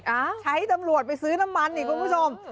ใช้ตำรวจไปซื้อน้ำมันอีกคุณผู้ชม